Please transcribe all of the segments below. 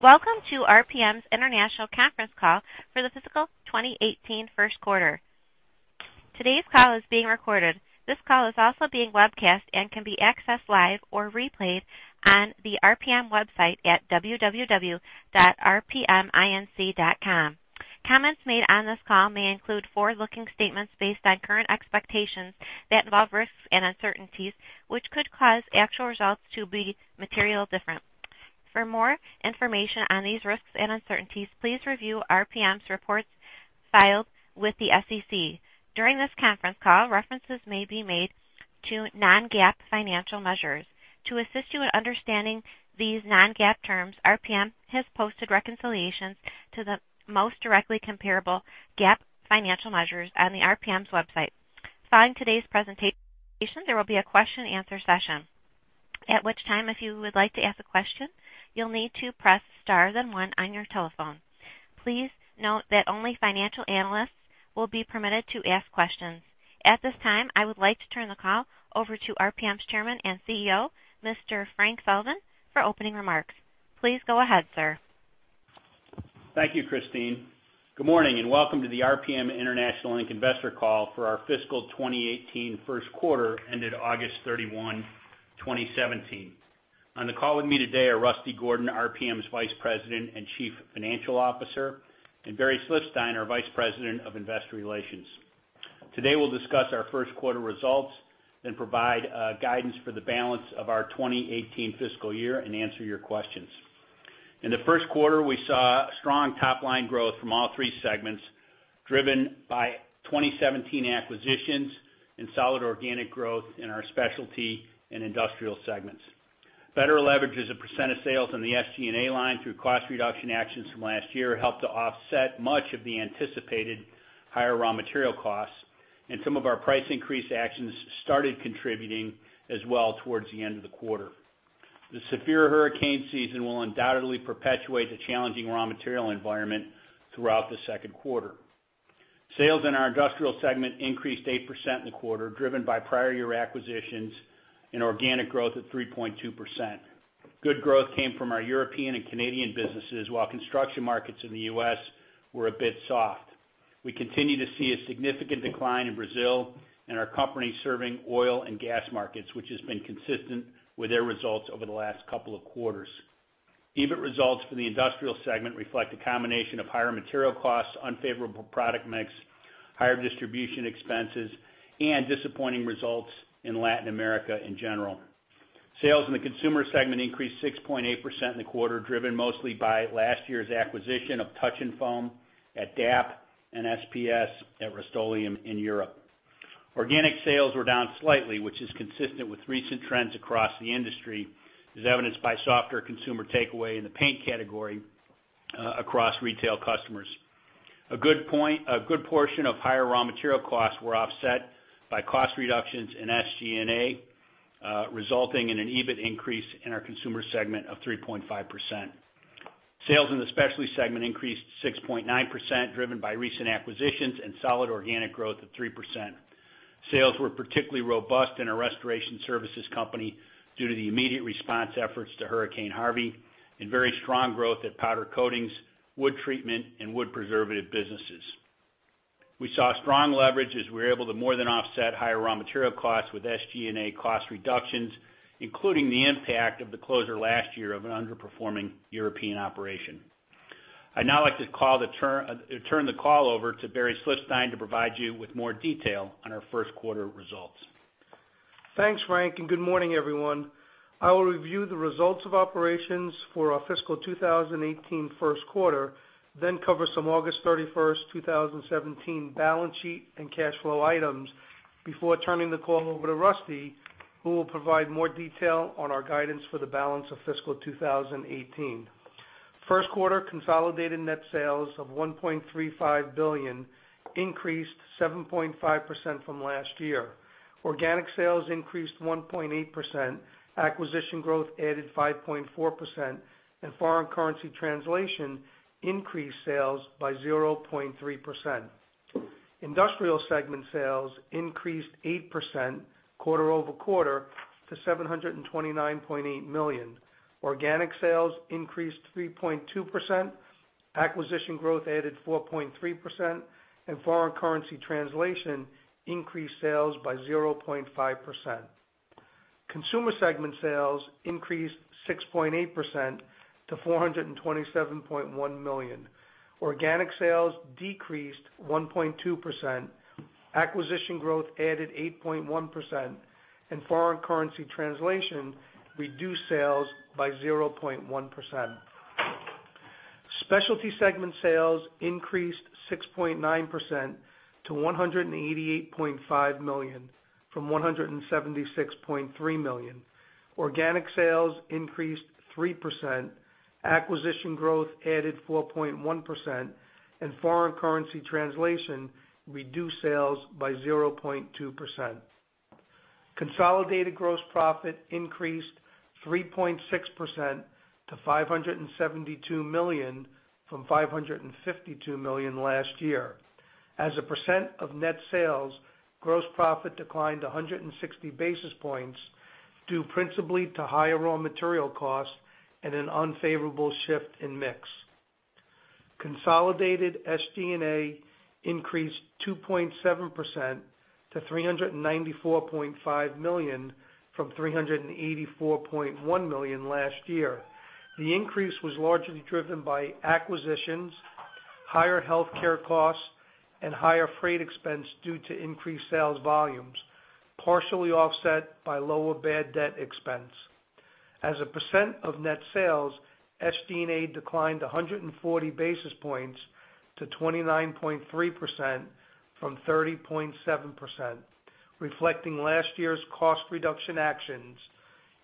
Welcome to RPM's international conference call for the fiscal 2018 first quarter. Today's call is being recorded. This call is also being webcast and can be accessed live or replayed on the RPM website at www.rpminc.com. Comments made on this call may include forward-looking statements based on current expectations that involve risks and uncertainties, which could cause actual results to be materially different. For more information on these risks and uncertainties, please review RPM's reports filed with the SEC. During this conference call, references may be made to non-GAAP financial measures. To assist you in understanding these non-GAAP terms, RPM has posted reconciliations to the most directly comparable GAAP financial measures on RPM's website. Following today's presentation, there will be a question and answer session. At which time, if you would like to ask a question, you'll need to press star then one on your telephone. Please note that only financial analysts will be permitted to ask questions. At this time, I would like to turn the call over to RPM's Chairman and Chief Executive Officer, Mr. Frank Sullivan, for opening remarks. Please go ahead, sir. Thank you, Christine. Good morning and welcome to the RPM International Inc. investor call for our fiscal 2018 first quarter ended August 31, 2017. On the call with me today are Russell L. Gordon, RPM's Vice President and Chief Financial Officer, and Barry M. Slifstein, our Vice President of Investor Relations. Today we'll discuss our first quarter results and provide guidance for the balance of our 2018 fiscal year and answer your questions. In the first quarter, we saw strong top-line growth from all three segments, driven by 2017 acquisitions and solid organic growth in our specialty and industrial segments. Better leverage as a % of sales on the SG&A line through cost reduction actions from last year helped to offset much of the anticipated higher raw material costs, and some of our price increase actions started contributing as well towards the end of the quarter. The severe hurricane season will undoubtedly perpetuate the challenging raw material environment throughout the second quarter. Sales in our industrial segment increased 8% in the quarter, driven by prior year acquisitions and organic growth of 3.2%. Good growth came from our European and Canadian businesses, while construction markets in the U.S. were a bit soft. We continue to see a significant decline in Brazil and our company serving oil and gas markets, which has been consistent with their results over the last couple of quarters. EBIT results for the industrial segment reflect a combination of higher material costs, unfavorable product mix, higher distribution expenses, and disappointing results in Latin America in general. Sales in the consumer segment increased 6.8% in the quarter, driven mostly by last year's acquisition of Touch 'n Foam at DAP and SPS at Rust-Oleum in Europe. Organic sales were down slightly, which is consistent with recent trends across the industry, as evidenced by softer consumer takeaway in the paint category across retail customers. A good portion of higher raw material costs were offset by cost reductions in SG&A, resulting in an EBIT increase in our consumer segment of 3.5%. Sales in the specialty segment increased 6.9%, driven by recent acquisitions and solid organic growth of 3%. Sales were particularly robust in our restoration services company due to the immediate response efforts to Hurricane Harvey and very strong growth at powder coatings, wood treatment, and wood preservative businesses. We saw strong leverage as we were able to more than offset higher raw material costs with SG&A cost reductions, including the impact of the closure last year of an underperforming European operation. I'd now like to turn the call over to Barry Slifstein to provide you with more detail on our first quarter results. Thanks, Frank, good morning, everyone. I will review the results of operations for our fiscal 2018 first quarter, cover some August 31, 2017 balance sheet and cash flow items before turning the call over to Rusty, who will provide more detail on our guidance for the balance of fiscal 2018. First quarter consolidated net sales of $1.35 billion increased 7.5% from last year. Organic sales increased 1.8%, acquisition growth added 5.4%, and foreign currency translation increased sales by 0.3%. Industrial segment sales increased 8% quarter-over-quarter to $729.8 million. Organic sales increased 3.2%, acquisition growth added 4.3%, and foreign currency translation increased sales by 0.5%. Consumer segment sales increased 6.8% to $427.1 million. Organic sales decreased 1.2%, acquisition growth added 8.1%, and foreign currency translation reduced sales by 0.1%. Specialty segment sales increased 6.9% to $188.5 million from $176.3 million. Organic sales increased 3%, acquisition growth added 4.1%, and foreign currency translation reduced sales by 0.2%. Consolidated gross profit increased 3.6% to $572 million from $552 million last year. As a percent of net sales, gross profit declined 160 basis points due principally to higher raw material costs and an unfavorable shift in mix. Consolidated SG&A increased 2.7% to $394.5 million from $384.1 million last year. The increase was largely driven by acquisitions, higher healthcare costs, and higher freight expense due to increased sales volumes, partially offset by lower bad debt expense. As a percent of net sales, SG&A declined 140 basis points to 29.3% from 30.7%, reflecting last year's cost reduction actions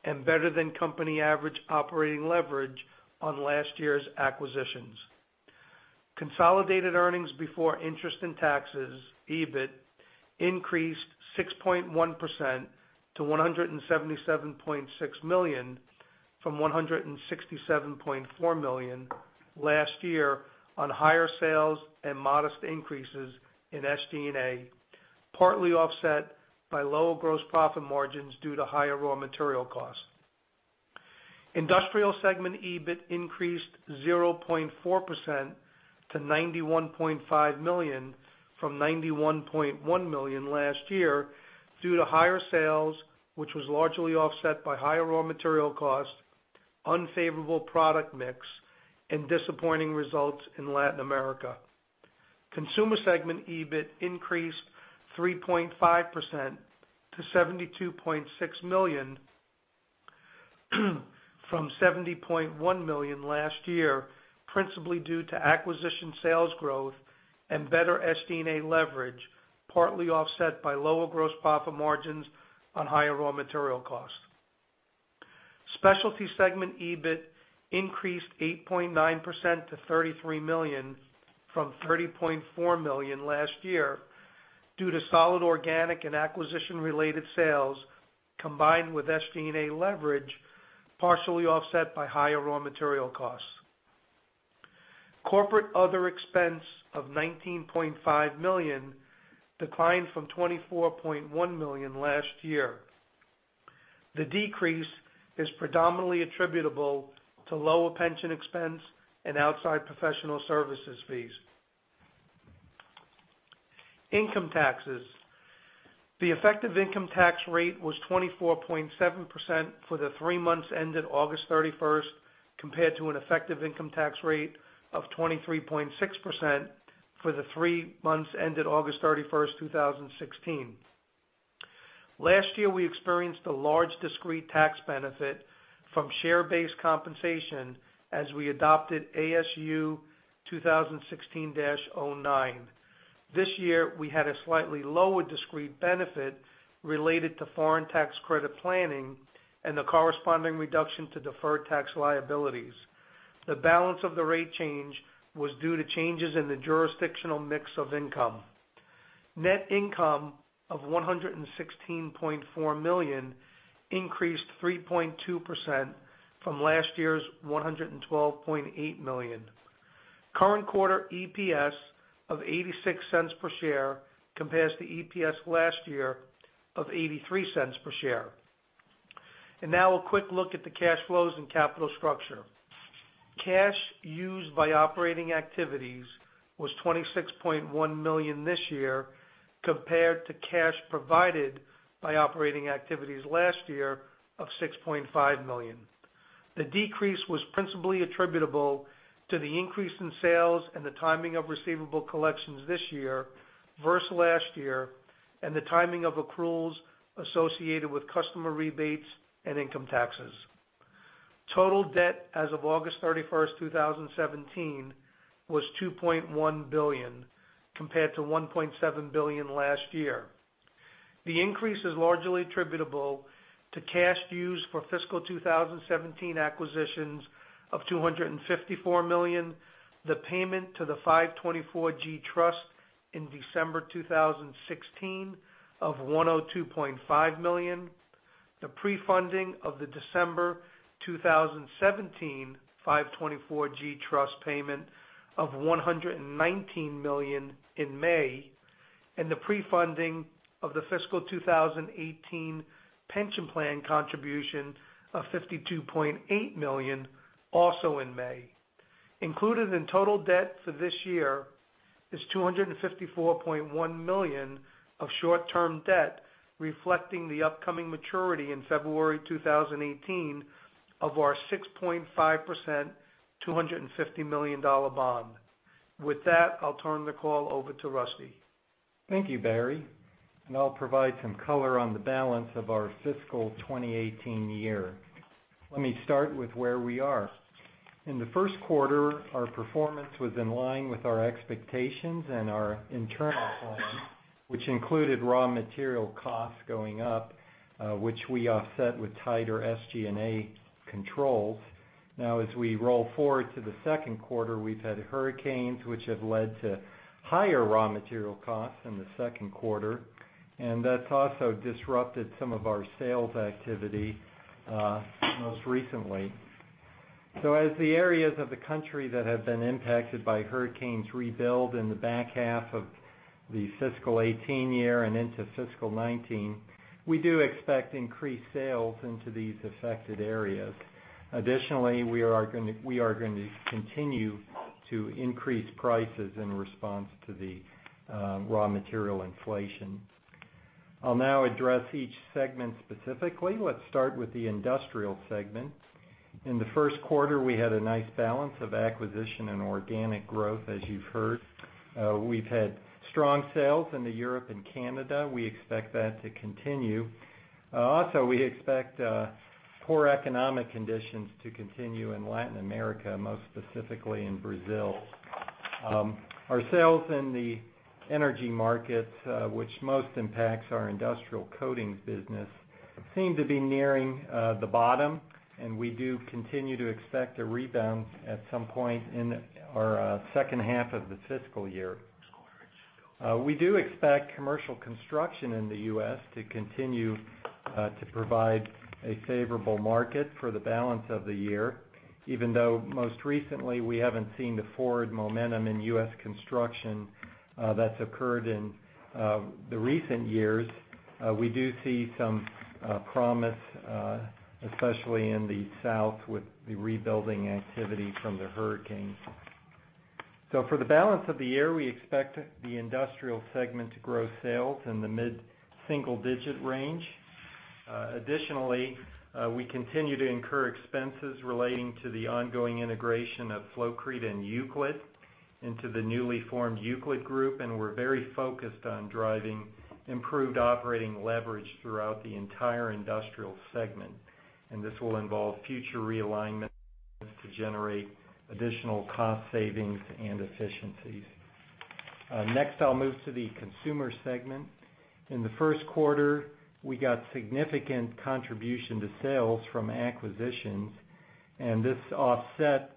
and better than company average operating leverage on last year's acquisitions. Consolidated earnings before interest and taxes, EBIT, increased 6.1% to $177.6 million from $167.4 million last year on higher sales and modest increases in SG&A, partly offset by lower gross profit margins due to higher raw material costs. Industrial segment EBIT increased 0.4% to $91.5 million from $91.1 million last year due to higher sales, which was largely offset by higher raw material costs, unfavorable product mix, and disappointing results in Latin America. Consumer segment EBIT increased 3.5% to $72.6 million from $70.1 million last year, principally due to acquisition sales growth and better SG&A leverage, partly offset by lower gross profit margins on higher raw material costs. Specialty segment EBIT increased 8.9% to $33 million from $30.4 million last year due to solid organic and acquisition-related sales, combined with SG&A leverage, partially offset by higher raw material costs. Corporate other expense of $19.5 million declined from $24.1 million last year. The decrease is predominantly attributable to lower pension expense and outside professional services fees. Income taxes. The effective income tax rate was 24.7% for the three months ended August 31st, compared to an effective income tax rate of 23.6% for the three months ended August 31st, 2016. Last year, we experienced a large discrete tax benefit from share-based compensation as we adopted ASU 2016-09. This year, we had a slightly lower discrete benefit related to foreign tax credit planning and the corresponding reduction to deferred tax liabilities. The balance of the rate change was due to changes in the jurisdictional mix of income. Net income of $116.4 million increased 3.2% from last year's $112.8 million. Current quarter EPS of $0.86 per share compares to EPS last year of $0.83 per share. Now a quick look at the cash flows and capital structure. Cash used by operating activities was $26.1 million this year compared to cash provided by operating activities last year of $6.5 million. The decrease was principally attributable to the increase in sales and the timing of receivable collections this year versus last year and the timing of accruals associated with customer rebates and income taxes. Total debt as of August 31st, 2017, was $2.1 billion, compared to $1.7 billion last year. The increase is largely attributable to cash used for fiscal 2017 acquisitions of $254 million, the payment to the 524(g) trust in December 2016 of $102.5 million, the pre-funding of the December 2017 524(g) trust payment of $119 million in May, and the pre-funding of the fiscal 2018 pension plan contribution of $52.8 million also in May. Included in total debt for this year is $254.1 million of short-term debt, reflecting the upcoming maturity in February 2018 of our 6.5%, $250 million bond. With that, I'll turn the call over to Rusty. Thank you, Barry. I'll provide some color on the balance of our fiscal '18 year. Let me start with where we are. In the first quarter, our performance was in line with our expectations and our internal plan, which included raw material costs going up, which we offset with tighter SG&A controls. As we roll forward to the second quarter, we've had hurricanes, which have led to higher raw material costs in the second quarter, and that's also disrupted some of our sales activity most recently. As the areas of the country that have been impacted by hurricanes rebuild in the back half of the fiscal '18 year and into fiscal '19, we do expect increased sales into these affected areas. Additionally, we are going to continue to increase prices in response to the raw material inflation. I'll address each segment specifically. Let's start with the Industrial segment. In the first quarter, we had a nice balance of acquisition and organic growth, as you've heard. We've had strong sales into Europe and Canada. We expect that to continue. Also, we expect poor economic conditions to continue in Latin America, most specifically in Brazil. Our sales in the energy markets, which most impacts our industrial coatings business, seem to be nearing the bottom, and we do continue to expect a rebound at some point in our second half of the fiscal year. We do expect commercial construction in the U.S. to continue to provide a favorable market for the balance of the year. Even though most recently, we haven't seen the forward momentum in U.S. construction that's occurred in the recent years. We do see some promise, especially in the South, with the rebuilding activity from the hurricanes. For the balance of the year, we expect the Industrial segment to grow sales in the mid-single-digit range. Additionally, we continue to incur expenses relating to the ongoing integration of Flowcrete and Euclid into the newly formed Euclid Group, and we're very focused on driving improved operating leverage throughout the entire Industrial segment. This will involve future realignment to generate additional cost savings and efficiencies. I'll move to the Consumer segment. In the first quarter, we got significant contribution to sales from acquisitions, and this offset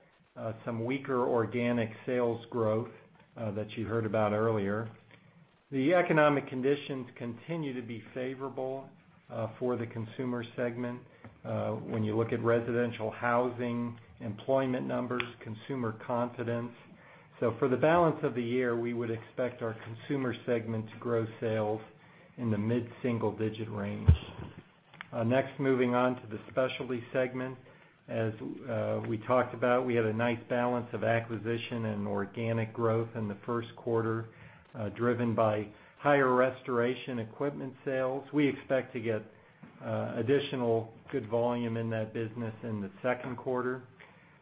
some weaker organic sales growth that you heard about earlier. The economic conditions continue to be favorable for the Consumer segment when you look at residential housing, employment numbers, consumer confidence. For the balance of the year, we would expect our Consumer segment to grow sales in the mid-single-digit range. Moving on to the Specialty segment. As we talked about, we had a nice balance of acquisition and organic growth in the first quarter, driven by higher restoration equipment sales. We expect to get additional good volume in that business in the second quarter.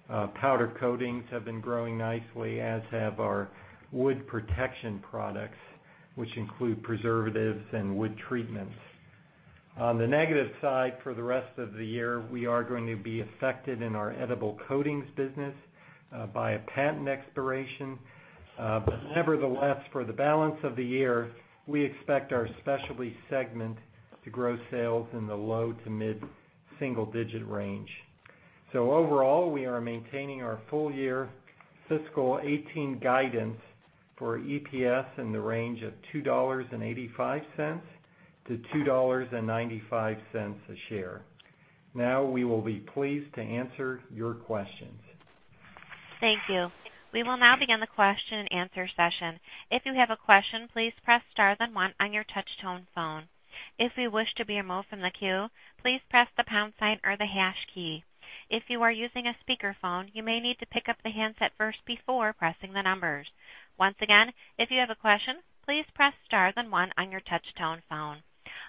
Powder coatings have been growing nicely, as have our wood protection products, which include preservatives and wood treatments. On the negative side, for the rest of the year, we are going to be affected in our edible coatings business by a patent expiration. But nevertheless, for the balance of the year, we expect our Specialty segment to grow sales in the low to mid-single-digit range. Overall, we are maintaining our full-year fiscal '18 guidance for EPS in the range of $2.85-$2.95 a share. We will be pleased to answer your questions. Thank you. We will now begin the question and answer session. If you have a question, please press star then one on your touch-tone phone. If you wish to be removed from the queue, please press the pound sign or the hash key. If you are using a speakerphone, you may need to pick up the handset first before pressing the numbers. Once again, if you have a question, please press star then one on your touch-tone phone.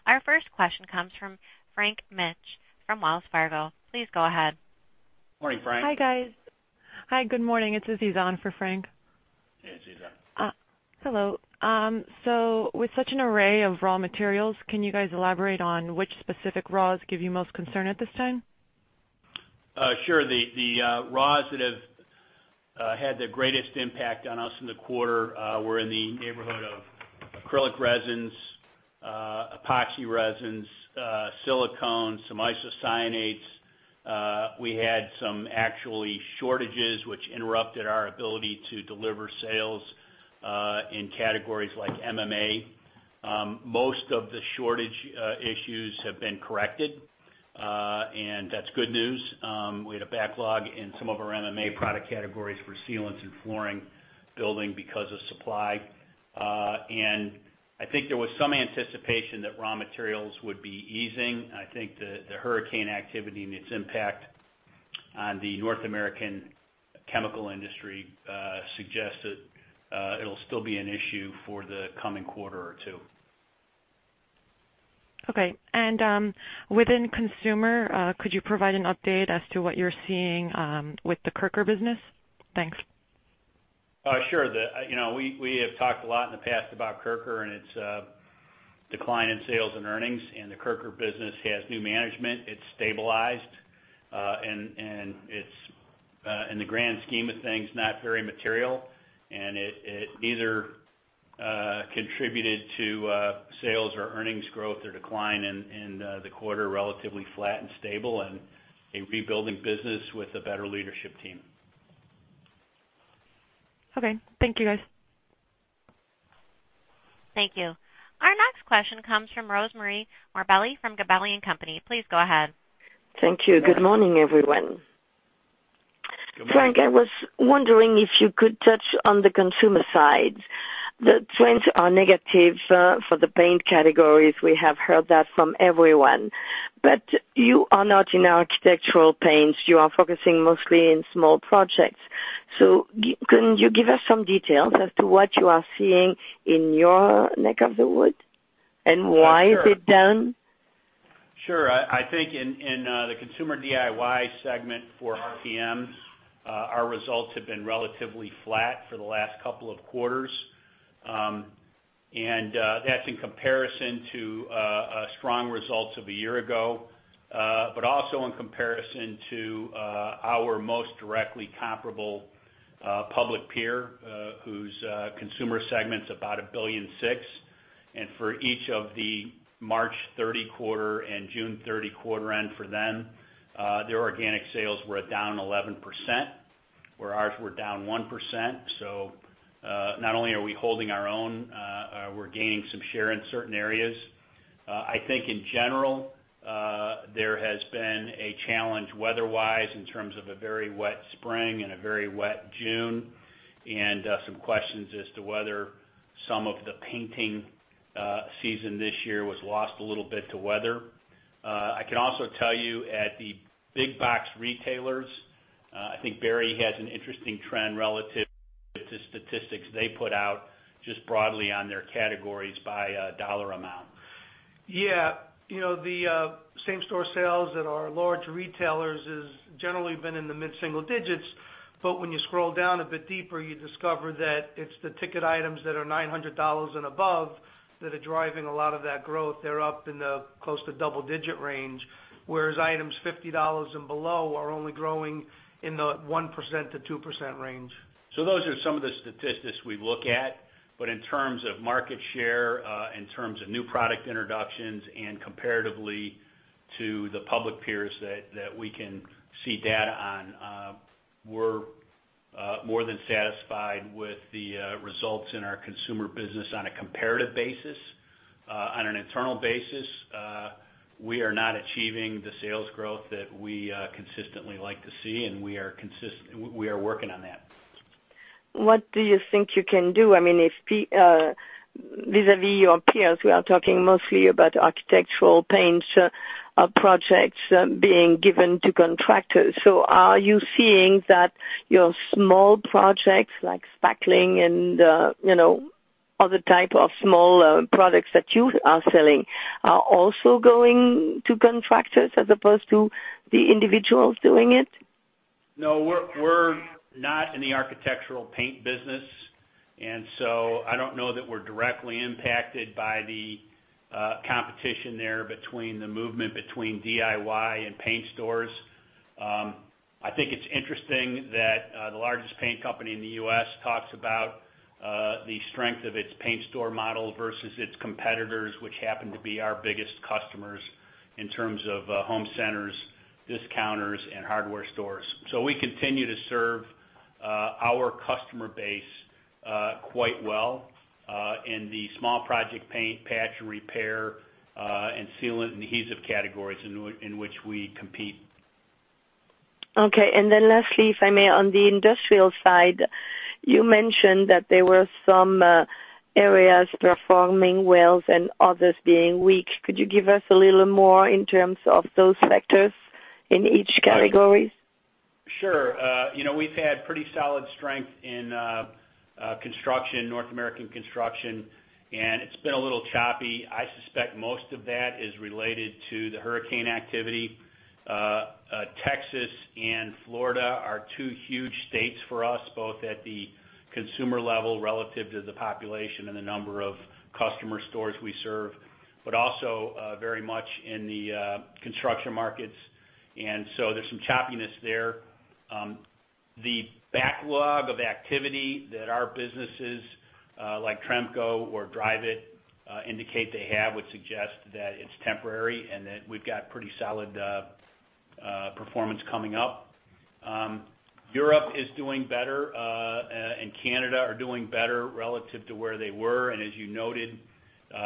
Our first question comes from Frank Mitsch from Wells Fargo. Please go ahead. Morning, Frank. Hi, guys. Hi. Good morning. It's Aziza in for Frank. Hey, Aziza. Hello. With such an array of raw materials, can you guys elaborate on which specific raws give you most concern at this time? Sure. The raws that have had the greatest impact on us in the quarter were in the neighborhood of acrylic resins, epoxy resins, silicone, some isocyanates. We had actually some shortages, which interrupted our ability to deliver sales in categories like MMA. Most of the shortage issues have been corrected, and that's good news. We had a backlog in some of our MMA product categories for sealants and flooring building because of supply. I think there was some anticipation that raw materials would be easing. I think the hurricane activity and its impact on the North American chemical industry suggests that it'll still be an issue for the coming quarter or two. Okay. Within consumer, could you provide an update as to what you're seeing with the Kirker business? Thanks. Sure. We have talked a lot in the past about Kirker and its decline in sales and earnings, and the Kirker business has new management. It's stabilized, and it's, in the grand scheme of things, not very material. It neither contributed to sales or earnings growth or decline in the quarter, relatively flat and stable and a rebuilding business with a better leadership team. Okay. Thank you, guys. Thank you. Our next question comes from Rosemarie Morbelli from Gabelli & Company. Please go ahead. Thank you. Good morning, everyone. Good morning. Frank, I was wondering if you could touch on the consumer side. The trends are negative for the paint categories. We have heard that from everyone. You are not in architectural paints. You are focusing mostly in small projects. Can you give us some details as to what you are seeing in your neck of the wood? Why is it down? Sure. I think in the consumer DIY segment for RPM, our results have been relatively flat for the last couple of quarters. That's in comparison to strong results of a year ago, but also in comparison to our most directly comparable public peer, whose consumer segment's about $1.6 billion. For each of the March 30 quarter and June 30 quarter end for them, their organic sales were down 11%, where ours were down 1%. Not only are we holding our own, we're gaining some share in certain areas. I think in general, there has been a challenge weather-wise in terms of a very wet spring and a very wet June, and some questions as to whether some of the painting season this year was lost a little bit to weather. I can also tell you at the big box retailers, I think Barry has an interesting trend relative to statistics they put out just broadly on their categories by dollar amount. Yeah. The same store sales at our large retailers has generally been in the mid-single digits. When you scroll down a bit deeper, you discover that it's the ticket items that are $900 and above that are driving a lot of that growth. They're up in the close to double-digit range, whereas items $50 and below are only growing in the 1%-2% range. Those are some of the statistics we look at. In terms of market share, in terms of new product introductions, and comparatively to the public peers that we can see data on, we're more than satisfied with the results in our consumer business on a comparative basis. On an internal basis, we are not achieving the sales growth that we consistently like to see, and we are working on that. What do you think you can do? Vis-a-vis your peers, we are talking mostly about architectural paints projects being given to contractors. Are you seeing that your small projects like spackling and other type of small products that you are selling are also going to contractors as opposed to the individuals doing it? No, we're not in the architectural paint business, and so I don't know that we're directly impacted by the competition there between the movement between DIY and paint stores. I think it's interesting that the largest paint company in the U.S. talks about the strength of its paint store model versus its competitors, which happen to be our biggest customers in terms of home centers, discounters, and hardware stores. We continue to serve our customer base quite well, in the small project paint, patch, and repair, and sealant and adhesive categories in which we compete. Okay, and then lastly, if I may, on the industrial side, you mentioned that there were some areas performing well and others being weak. Could you give us a little more in terms of those factors in each category? Sure. We've had pretty solid strength in North American construction. It's been a little choppy. I suspect most of that is related to the hurricane activity. Texas and Florida are two huge states for us, both at the consumer level relative to the population and the number of customer stores we serve, but also very much in the construction markets. There's some choppiness there. The backlog of activity that our businesses, like Tremco or Dryvit, indicate they have would suggest that it's temporary and that we've got pretty solid performance coming up. Europe is doing better. Canada are doing better relative to where they were. As you noted in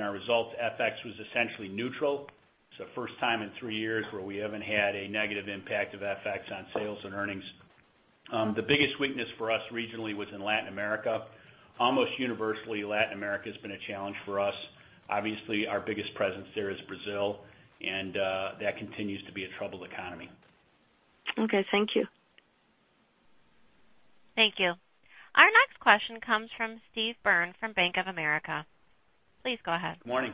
our results, FX was essentially neutral. It's the first time in three years where we haven't had a negative impact of FX on sales and earnings. The biggest weakness for us regionally was in Latin America. Almost universally, Latin America has been a challenge for us. Obviously, our biggest presence there is Brazil. That continues to be a troubled economy. Okay. Thank you. Thank you. Our next question comes from Steve Byrne from Bank of America. Please go ahead. Morning.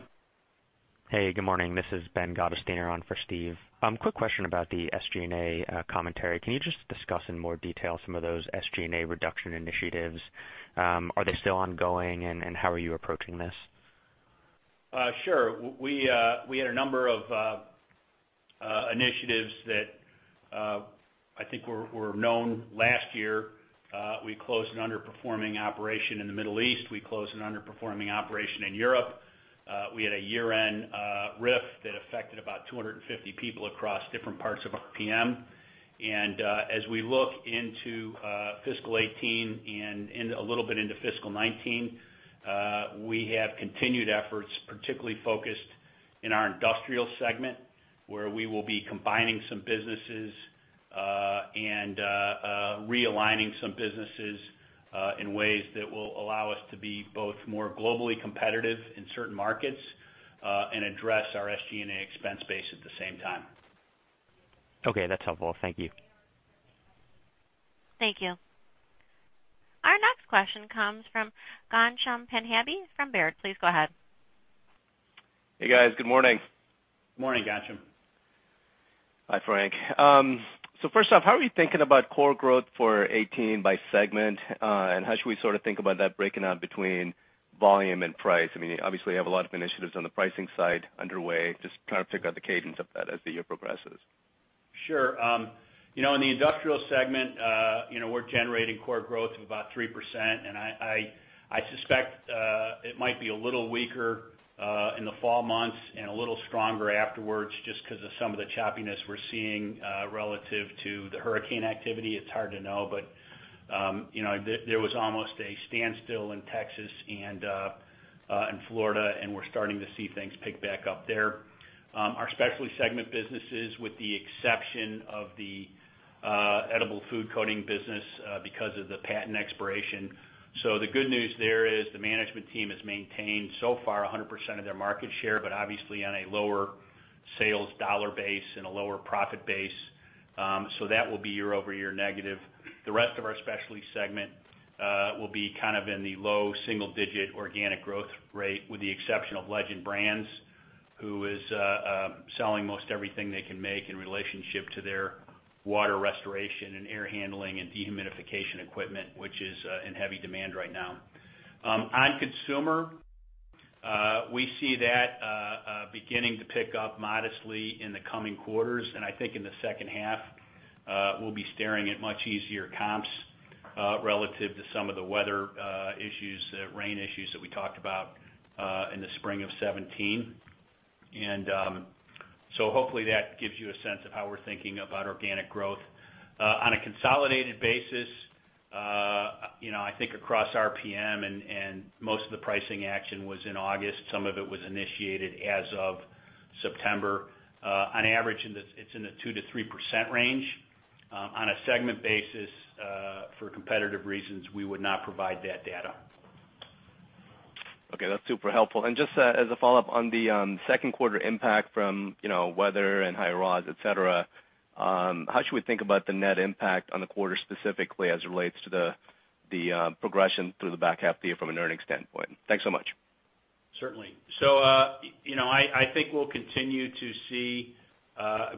Good morning. This is Ben Gottesdiener on for Steve Byrne. Quick question about the SG&A commentary. Can you just discuss in more detail some of those SG&A reduction initiatives? Are they still ongoing, and how are you approaching this? Sure. We had a number of initiatives that I think were known last year. We closed an underperforming operation in the Middle East. We closed an underperforming operation in Europe. We had a year-end RIF that affected about 250 people across different parts of RPM. As we look into fiscal 2018 and a little bit into fiscal 2019, we have continued efforts, particularly focused in our industrial segment, where we will be combining some businesses and realigning some businesses in ways that will allow us to be both more globally competitive in certain markets, and address our SG&A expense base at the same time. Okay, that's helpful. Thank you. Thank you. Our next question comes from Ghansham Panjabi from Baird. Please go ahead. Hey, guys. Good morning. Morning, Ghansham. Hi, Frank. First off, how are you thinking about core growth for 2018 by segment? How should we think about that breaking out between volume and price? Obviously, you have a lot of initiatives on the pricing side underway. Just trying to figure out the cadence of that as the year progresses. Sure. In the industrial segment, we're generating core growth of about 3%. I suspect it might be a little weaker in the fall months and a little stronger afterwards, just because of some of the choppiness we're seeing relative to the hurricane activity. It's hard to know. There was almost a standstill in Texas and in Florida. We're starting to see things pick back up there. Our specialty segment businesses, with the exception of the edible food coating business, because of the patent expiration. The good news there is the management team has maintained, so far, 100% of their market share, but obviously on a lower sales dollar base and a lower profit base. That will be year-over-year negative. The rest of our specialty segment will be in the low single-digit organic growth rate, with the exception of Legend Brands, who is selling most everything they can make in relationship to their water restoration and air handling and dehumidification equipment, which is in heavy demand right now. On consumer, we see that beginning to pick up modestly in the coming quarters. I think in the second half, we'll be staring at much easier comps relative to some of the weather issues, the rain issues that we talked about in the spring of 2017. Hopefully that gives you a sense of how we're thinking about organic growth. On a consolidated basis, I think across RPM, most of the pricing action was in August. Some of it was initiated as of September. On average, it's in the 2%-3% range. On a segment basis, for competitive reasons, we would not provide that data. Okay, that's super helpful. Just as a follow-up on the second quarter impact from weather and higher raws, et cetera, how should we think about the net impact on the quarter specifically as it relates to the progression through the back half of the year from an earnings standpoint? Thanks so much. Certainly. I think we'll continue to see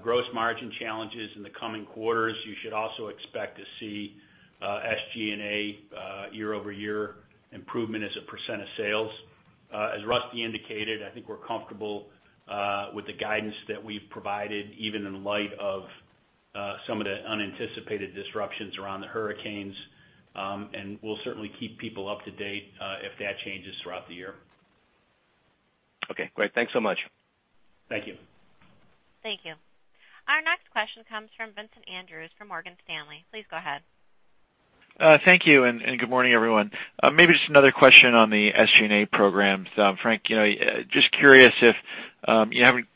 gross margin challenges in the coming quarters. You should also expect to see SG&A year-over-year improvement as a percent of sales. As Rusty indicated, I think we're comfortable with the guidance that we've provided, even in light of some of the unanticipated disruptions around the hurricanes. We'll certainly keep people up to date if that changes throughout the year. Okay, great. Thanks so much. Thank you. Thank you. Our next question comes from Vincent Andrews from Morgan Stanley. Please go ahead. Thank you. Good morning, everyone. Maybe just another question on the SG&A programs. Frank, just curious if you haven't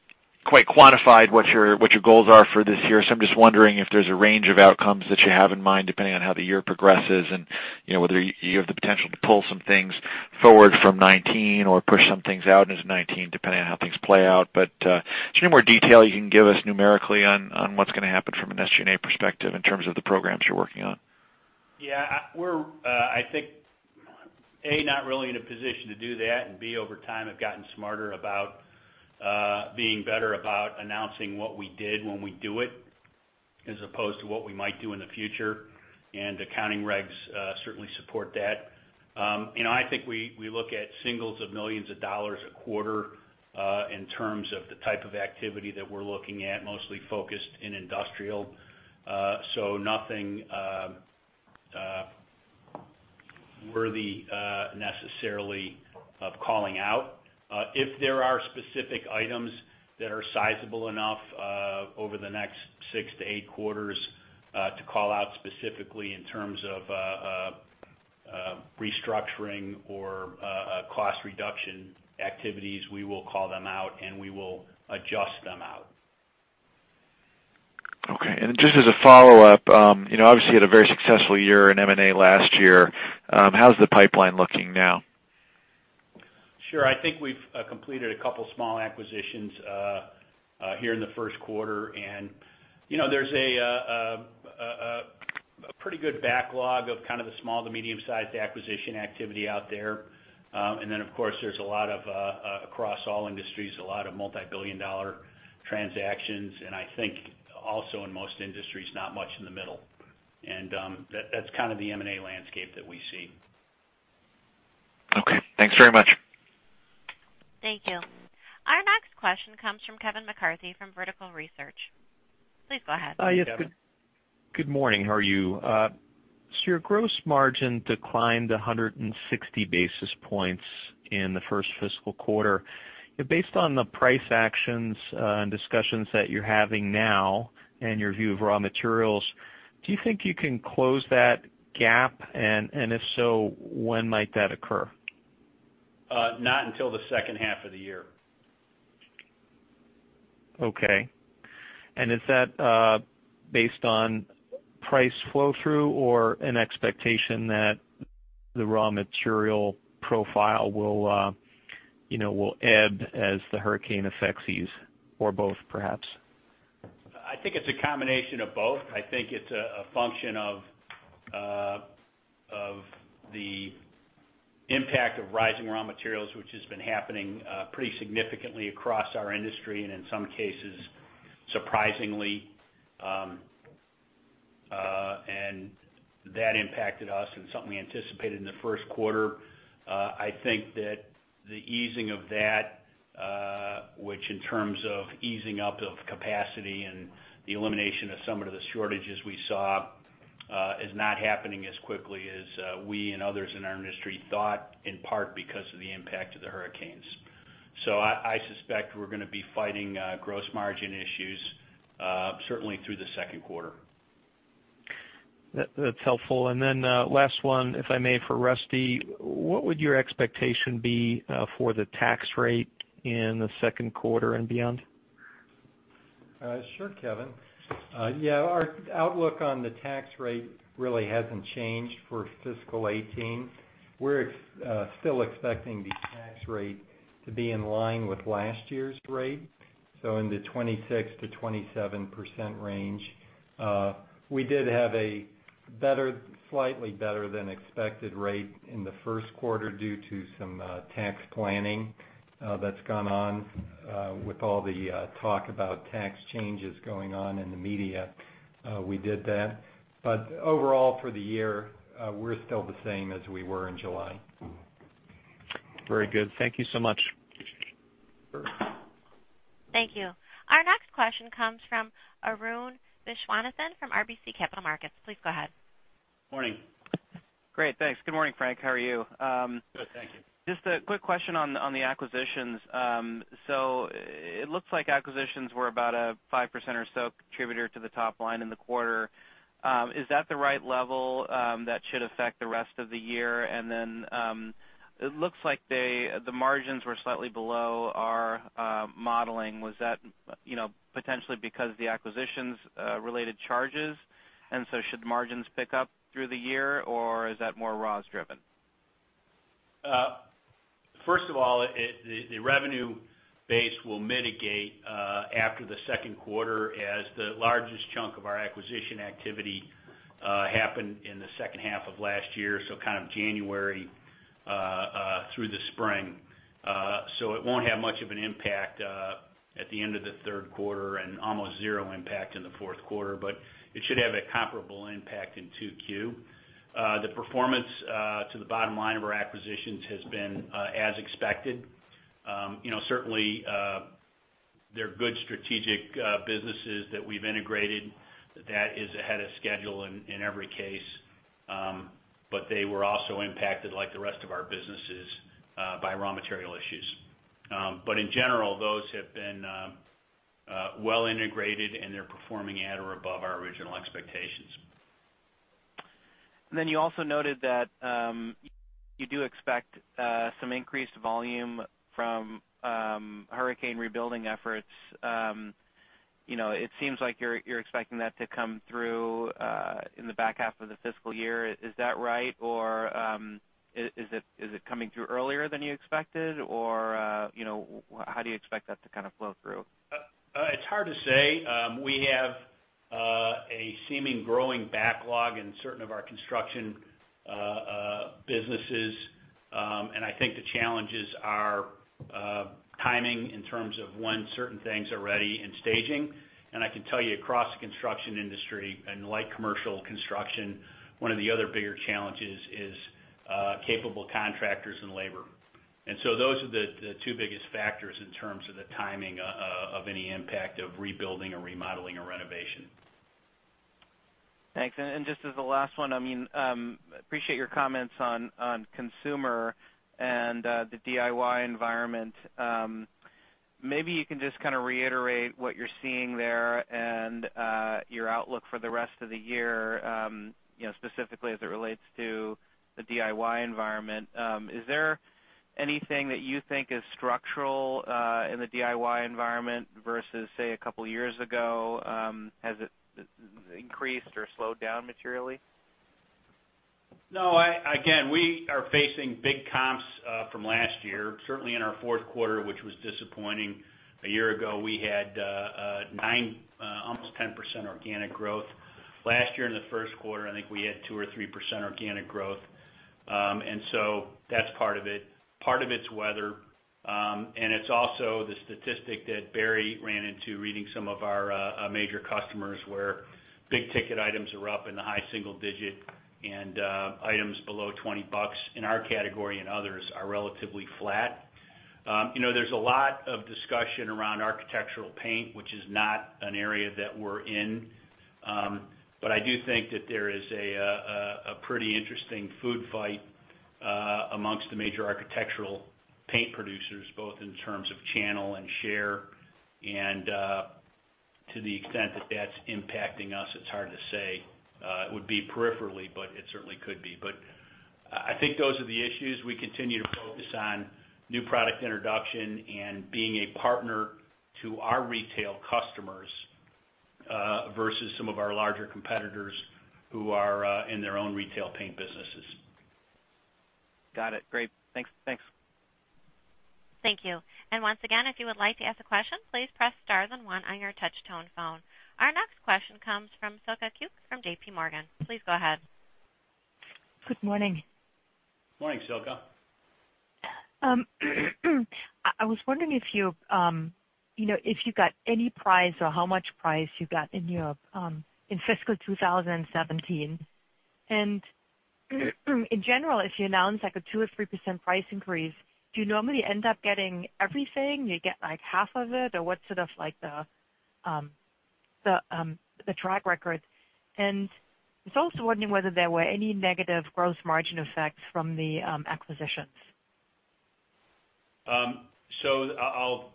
quite quantified what your goals are for this year. So I'm just wondering if there's a range of outcomes that you have in mind, depending on how the year progresses and whether you have the potential to pull some things forward from 2019 or push some things out into 2019, depending on how things play out. Is there any more detail you can give us numerically on what's going to happen from an SG&A perspective in terms of the programs you're working on? Yeah. We're, I think, A, not really in a position to do that, and B, over time, have gotten smarter about being better about announcing what we did when we do it, as opposed to what we might do in the future. Accounting regs certainly support that. I think we look at singles of millions of dollars a quarter in terms of the type of activity that we're looking at, mostly focused in industrial. Nothing worthy necessarily of calling out. If there are specific items that are sizable enough over the next 6-8 quarters to call out specifically in terms of restructuring or cost reduction activities, we will call them out, and we will adjust them out. Okay. Just as a follow-up, obviously you had a very successful year in M&A last year. How's the pipeline looking now? Sure. I think we've completed a couple small acquisitions here in the first quarter. There's a pretty good backlog of kind of the small to medium sized acquisition activity out there. Of course, there's across all industries, a lot of multi-billion dollar transactions, and I think also in most industries, not much in the middle. That's kind of the M&A landscape that we see. Thanks very much. Thank you. Our next question comes from Kevin McCarthy from Vertical Research. Please go ahead. Hi. Yes. Good morning. How are you? Your gross margin declined 160 basis points in the first fiscal quarter. Based on the price actions and discussions that you're having now and your view of raw materials, do you think you can close that gap? If so, when might that occur? Not until the second half of the year. Okay. Is that based on price flow-through or an expectation that the raw material profile will ebb as the hurricane effects ease, or both, perhaps? I think it's a combination of both. I think it's a function of the impact of rising raw materials, which has been happening pretty significantly across our industry, and in some cases, surprisingly. That impacted us and something we anticipated in the first quarter. I think that the easing of that, which in terms of easing up of capacity and the elimination of some of the shortages we saw, is not happening as quickly as we and others in our industry thought, in part because of the impact of the hurricanes. I suspect we're going to be fighting gross margin issues certainly through the second quarter. That's helpful. Last one, if I may, for Rusty. What would your expectation be for the tax rate in the second quarter and beyond? Sure, Kevin. Our outlook on the tax rate really hasn't changed for fiscal 2018. We're still expecting the tax rate to be in line with last year's rate, so in the 26%-27% range. We did have a slightly better than expected rate in the first quarter due to some tax planning that's gone on with all the talk about tax changes going on in the media. We did that. Overall, for the year, we're still the same as we were in July. Very good. Thank you so much. Sure. Thank you. Our next question comes from Arun Viswanathan from RBC Capital Markets. Please go ahead. Morning. Great. Thanks. Good morning, Frank. How are you? Good, thank you. Just a quick question on the acquisitions. It looks like acquisitions were about a 5% or so contributor to the top line in the quarter. Is that the right level that should affect the rest of the year? It looks like the margins were slightly below our modeling. Was that potentially because of the acquisitions-related charges? Should margins pick up through the year, or is that more raws driven? First of all, the revenue base will mitigate after the second quarter as the largest chunk of our acquisition activity happened in the second half of last year, so kind of January through the spring. It won't have much of an impact at the end of the third quarter and almost zero impact in the fourth quarter, but it should have a comparable impact in 2Q. The performance to the bottom line of our acquisitions has been as expected. Certainly, they're good strategic businesses that we've integrated that is ahead of schedule in every case. They were also impacted like the rest of our businesses by raw material issues. In general, those have been well-integrated, and they're performing at or above our original expectations. You also noted that you do expect some increased volume from hurricane rebuilding efforts. It seems like you're expecting that to come through in the back half of the fiscal year. Is that right, or is it coming through earlier than you expected, or how do you expect that to kind of flow through? It's hard to say. We have a seeming growing backlog in certain of our construction businesses. I think the challenges are timing in terms of when certain things are ready and staging. I can tell you across the construction industry and light commercial construction, one of the other bigger challenges is capable contractors and labor. Those are the two biggest factors in terms of the timing of any impact of rebuilding or remodeling or renovation. Thanks. Just as the last one, I appreciate your comments on consumer and the DIY environment. Maybe you can just kind of reiterate what you're seeing there and your outlook for the rest of the year, specifically as it relates to the DIY environment. Is there anything that you think is structural in the DIY environment versus, say, a couple of years ago? Has it increased or slowed down materially? No. Again, we are facing big comps from last year, certainly in our fourth quarter, which was disappointing. A year ago, we had 9%, almost 10% organic growth. Last year in the first quarter, I think we had 2% or 3% organic growth. That's part of it. Part of it's weather. It's also the statistic that Barry ran into reading some of our major customers, where big-ticket items are up in the high single digit, and items below $20 in our category and others are relatively flat. There's a lot of discussion around architectural paint, which is not an area that we're in. I do think that there is a pretty interesting food fight amongst the major architectural paint producers, both in terms of channel and share. To the extent that that's impacting us, it's hard to say. It would be peripherally, but it certainly could be. I think those are the issues. We continue to focus on new product introduction and being a partner to our retail customers versus some of our larger competitors who are in their own retail paint businesses. Got it. Great. Thanks. Thank you. Once again, if you would like to ask a question, please press star then one on your touch-tone phone. Our next question comes from Silke Kueck from JPMorgan. Please go ahead. Good morning. Morning, Silke. I was wondering if you got any price or how much price you got in Europe in fiscal 2017. In general, if you announce a 2% or 3% price increase, do you normally end up getting everything? Do you get half of it, or what's the track record? I was also wondering whether there were any negative gross margin effects from the acquisitions. I'll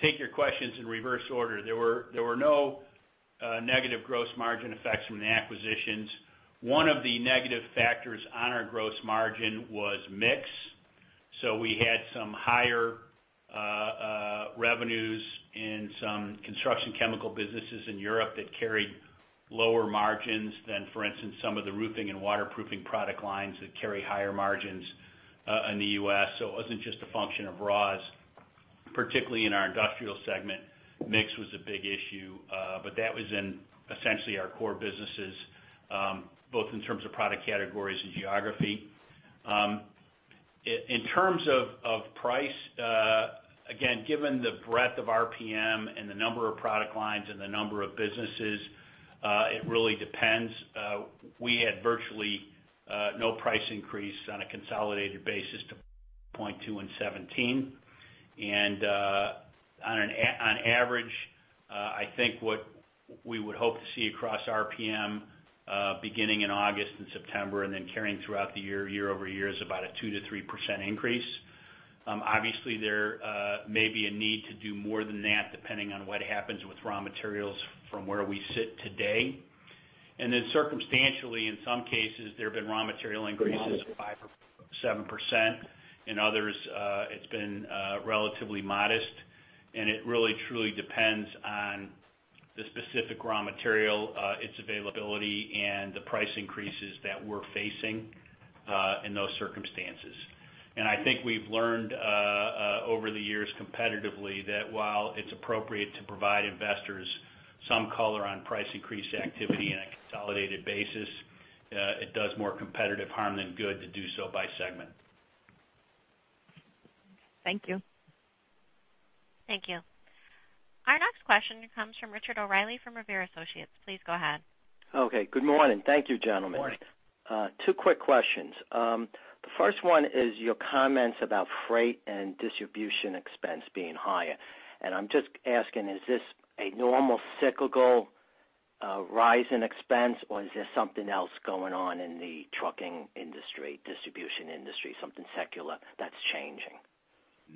take your questions in reverse order. There were no negative gross margin effects from the acquisitions. One of the negative factors on our gross margin was mix. We had some higher revenues in some construction chemical businesses in Europe that carried lower margins than, for instance, some of the roofing and waterproofing product lines that carry higher margins in the U.S. It wasn't just a function of raws. Particularly in our industrial segment, mix was a big issue. That was in essentially our core businesses, both in terms of product categories and geography. In terms of price, again, given the breadth of RPM and the number of product lines and the number of businesses, it really depends. We had virtually no price increase on a consolidated basis to point two in 2017. On average, I think what we would hope to see across RPM, beginning in August and September, then carrying throughout the year-over-year, is about a 2%-3% increase. Obviously, there may be a need to do more than that depending on what happens with raw materials from where we sit today. Circumstantially, in some cases, there have been raw material increases of 5% or 7%. In others, it's been relatively modest. It really truly depends on the specific raw material, its availability, and the price increases that we're facing in those circumstances. I think we've learned over the years competitively that while it's appropriate to provide investors some color on price increase activity on a consolidated basis, it does more competitive harm than good to do so by segment. Thank you. Thank you. Our next question comes from Richard O'Reilly from Revere Associates. Please go ahead. Okay, good morning. Thank you, gentlemen. Morning. Two quick questions. The first one is your comments about freight and distribution expense being higher. I'm just asking, is this a normal cyclical rise in expense, or is there something else going on in the trucking industry, distribution industry, something secular that's changing?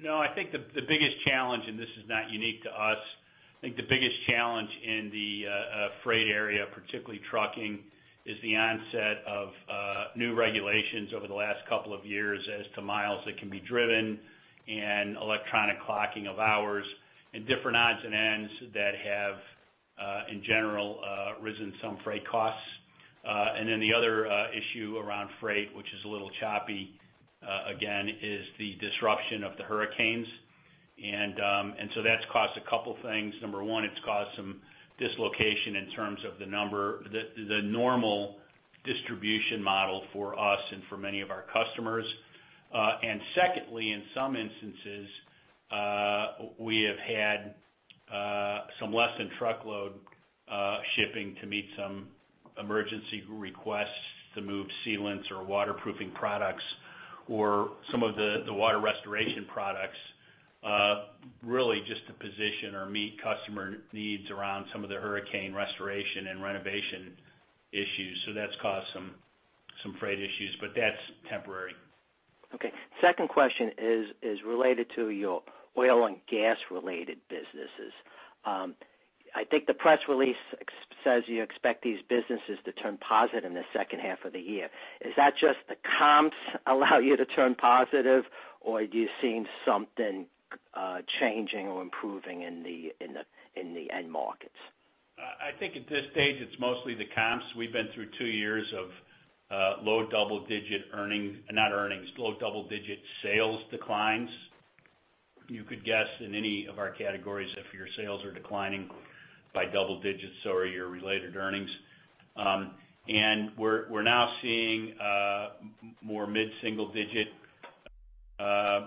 No, I think the biggest challenge, and this is not unique to us, I think the biggest challenge in the freight area, particularly trucking, is the onset of new regulations over the last couple of years as to miles that can be driven and electronic clocking of hours and different odds and ends that have, in general, risen some freight costs. The other issue around freight, which is a little choppy, again, is the disruption of the hurricanes. That's caused a couple things. Number one, it's caused some dislocation in terms of the normal distribution model for us and for many of our customers. Secondly, in some instances, we have had some less than truckload shipping to meet some emergency requests to move sealants or waterproofing products or some of the water restoration products, really just to position or meet customer needs around some of the hurricane restoration and renovation issues. That's caused some freight issues, but that's temporary. Okay. Second question is related to your oil and gas-related businesses. I think the press release says you expect these businesses to turn positive in the second half of the year. Is that just the comps allow you to turn positive, or are you seeing something changing or improving in the end markets? I think at this stage, it's mostly the comps. We've been through two years of low double-digit sales declines. You could guess in any of our categories, if your sales are declining by double digits, so are your related earnings. We're now seeing more mid-single-digit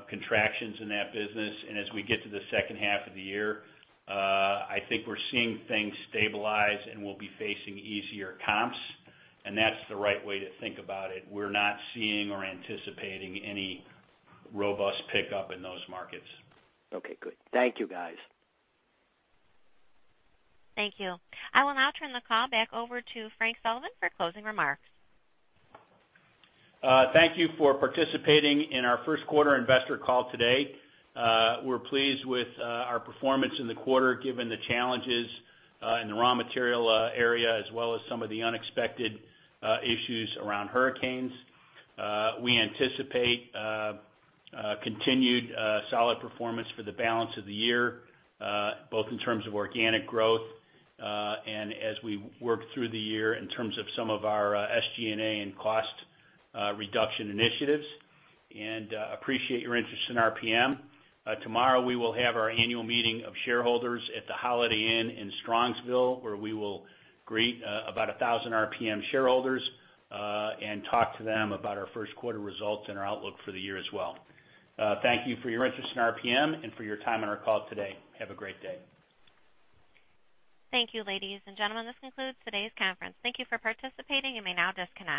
contractions in that business. As we get to the second half of the year, I think we're seeing things stabilize, and we'll be facing easier comps, and that's the right way to think about it. We're not seeing or anticipating any robust pickup in those markets. Okay, good. Thank you, guys. Thank you. I will now turn the call back over to Frank Sullivan for closing remarks. Thank you for participating in our first quarter investor call today. We're pleased with our performance in the quarter, given the challenges in the raw material area, as well as some of the unexpected issues around hurricanes. We anticipate continued solid performance for the balance of the year, both in terms of organic growth and as we work through the year in terms of some of our SG&A and cost reduction initiatives. We appreciate your interest in RPM. Tomorrow, we will have our annual meeting of shareholders at the Holiday Inn in Strongsville, where we will greet about 1,000 RPM shareholders and talk to them about our first quarter results and our outlook for the year as well. Thank you for your interest in RPM and for your time on our call today. Have a great day. Thank you, ladies and gentlemen. This concludes today's conference. Thank you for participating. You may now disconnect.